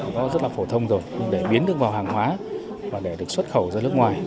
nó rất là phổ thông rồi để biến được vào hàng hóa và để được xuất khẩu ra nước ngoài